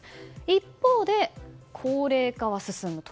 一方で、高齢化は進むと。